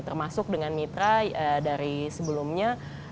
termasuk dengan mitra dari sebelumnya